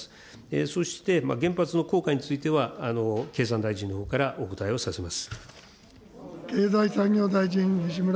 そして原発の効果については経産大臣のほうからお答えをさせます。